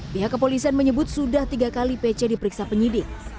pihak kepolisian menyebut sudah tiga kali pc diperiksa penyidik